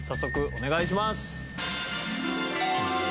お願いします。